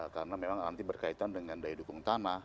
karena memang nanti berkaitan dengan daya dukung tanah